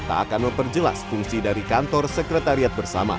tak akan memperjelas fungsi dari kantor sekretariat bersama